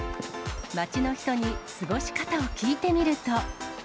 街の人に過ごし方を聞いてみると。